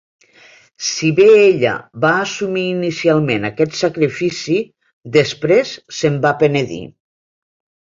Si bé ella va assumir inicialment aquest sacrifici, després se'n va penedir.